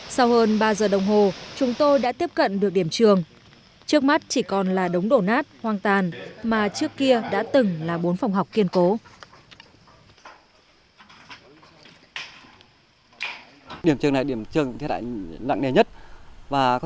sau hơn ba giờ đồng hồ chúng tôi đã tiếp cận được điểm trường trước mắt chỉ còn là đống đổ nát hoang tàn mà trước kia đã từng là bốn phòng học kiên cố